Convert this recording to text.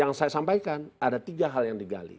yang saya sampaikan ada tiga hal yang digali